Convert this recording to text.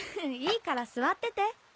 いいから座ってて。